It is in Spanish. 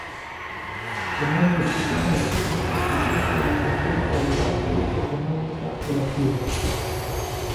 Como es de suponer esto supuso la completa debacle económica de la firma.